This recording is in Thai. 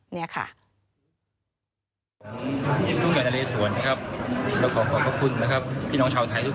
เราจงจะทำงานได้อย่างไม่รับลืด